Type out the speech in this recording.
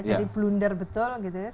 jadi blunder betul gitu ya